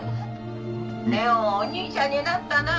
麗桜お兄ちゃんになったな。